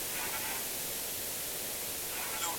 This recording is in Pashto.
هلک په وېره له کوټې بهر ووت.